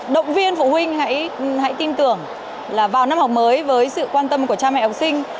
động viên phụ huynh hãy tin tưởng là vào năm học mới với sự quan tâm của cha mẹ học sinh